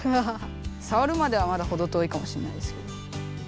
さわるまでにはまだほど遠いかもしれないですけど。